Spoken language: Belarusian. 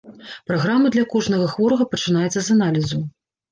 Праграма для кожнага хворага пачынаецца з аналізу.